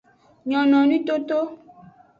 Nyononwi toto.